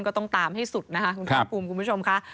ก็ต้องตามให้สุดนะคะคุณภาคภูมิคุณผู้ชมค่ะ